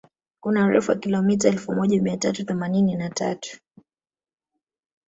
Kuna urefu wa kilomita elfu moja mia tatu themanini na tatu